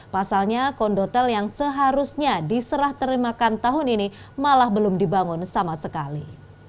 pasalnya kondotel yang seharusnya diserah terimakan tahun ini malah belum dibangun sama sekali